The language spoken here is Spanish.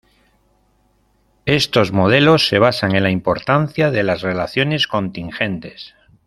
Estos modelos se basan en la importancia de las relaciones contingentes.